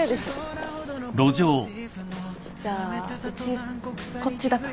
じゃあうちこっちだから。